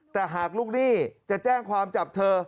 แต่หากลูกหนี้จะแจ้งความจับเธอ